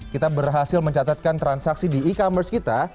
kita berhasil mencatatkan transaksi di e commerce kita